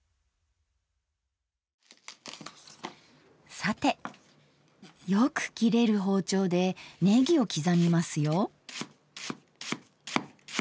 さてよく切れる包丁でねぎを刻みますよ。